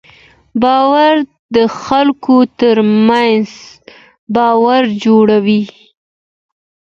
باور د خلکو تر منځ باور جوړوي.